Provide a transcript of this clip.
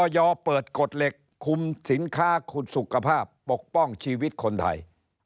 เปิดกฎเหล็กคุมสินค้าคุณสุขภาพปกป้องชีวิตคนไทย